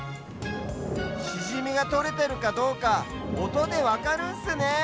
シジミがとれてるかどうかおとでわかるんすねえ。